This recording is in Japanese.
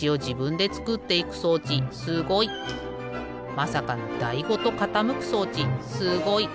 まさかのだいごとかたむく装置すごい！